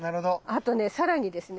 あとね更にですね